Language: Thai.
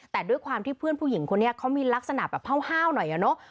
แต่ด้วยความที่เพื่อนผู้หญิงคนนี้เขามีลักษณะแบบห้าวหน่อยอะเนาะ